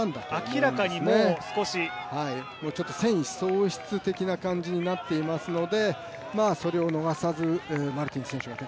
明らかにもう、少し戦意喪失的な感じになってきていますので、それを逃さずマルティン選手が出た。